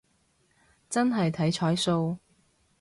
真係睇彩數